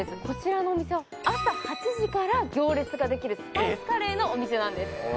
こちらのお店は朝８時から行列ができるスパイスカレーのお店なんです